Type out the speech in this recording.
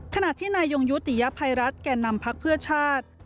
ขณะที่นายยงยุติยภัยรัฐแก่นำพักเพื่อชาติ